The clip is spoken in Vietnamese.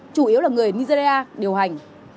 chủ yếu là người nigeria điều hành